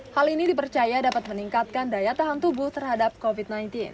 hal ini dipercaya dapat meningkatkan daya tahan tubuh terhadap covid sembilan belas